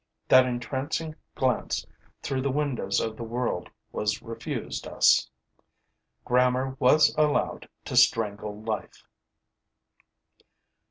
That entrancing glance through the windows of the world was refused us. Grammar was allowed to strangle life.